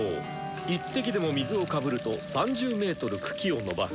１滴でも水をかぶると３０ｍ茎をのばす。